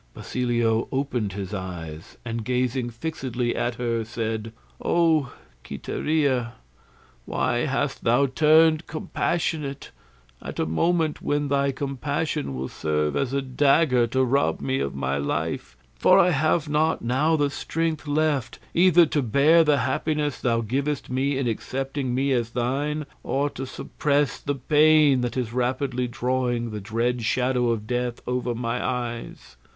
Basilio opened his eyes and gazing fixedly at her, said, "O Quiteria, why hast thou turned compassionate at a moment when thy compassion will serve as a dagger to rob me of life, for I have not now the strength left either to bear the happiness thou givest me in accepting me as thine, or to suppress the pain that is rapidly drawing the dread shadow of death over my eyes?